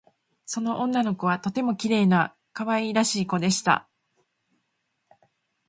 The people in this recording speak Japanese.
その女の子はとてもきれいなかわいらしいこでした